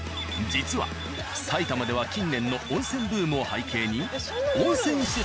実は埼玉では近年の温泉ブームを背景に。